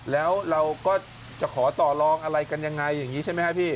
แล้วเราก็จะขอต่อลองอะไรกันยังไงอย่างนี้ใช่ไหมครับพี่